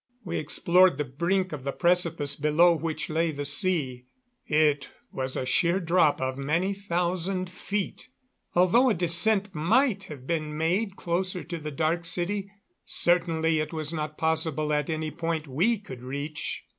We explored the brink of the precipice below which lay the sea. It was a sheer drop of many thousand feet. Although a descent might have been made closer to the Dark City, certainly it was not possible at any point we could reach.